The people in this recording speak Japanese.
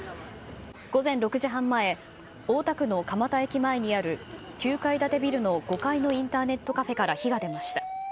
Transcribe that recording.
午前６時半前、大田区の蒲田駅前にある９階建てビルの５階のインターネットカフェから火が出ました。